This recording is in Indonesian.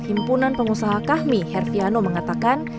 himpunan pengusaha kami herfiano mengatakan